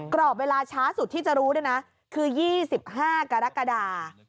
กรอบเวลาช้าสุดที่จะรู้ด้วยนะคือ๒๕กรกฎา